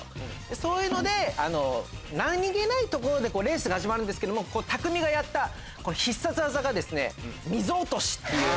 そういうので何げないところでレースが始まるんですけども拓海がやった必殺技が溝落とし。